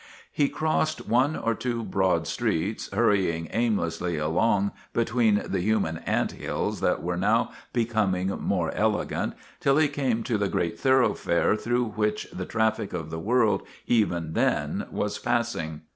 He crossed one or two broad streets, hurrying aimlessly along between the human ant hills that were now becoming more ele gant, till he came to the great thoroughfare through which the traffic of the world even then was passing.